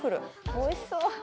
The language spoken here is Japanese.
おいしそう！